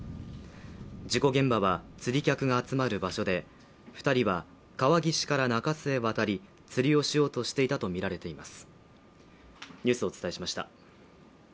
事故現場は釣り客が集まる場所で、２人は川岸から中州へ渡り釣りをしようとてしていたとみられています。